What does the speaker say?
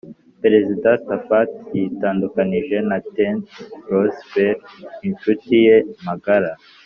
perezida taft yitandukanije na teddy roosevelt - inshuti ye magara